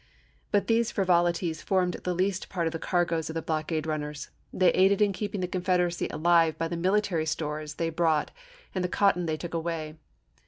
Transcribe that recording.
But these frivolities formed the least part of the cargoes of the blockade runners; they aided in keeping the Confederacy alive by the military stores they brought and the cotton they took away.